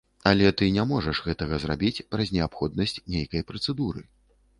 Але ты не можаш гэтага зрабіць праз неабходнасць нейкай працэдуры.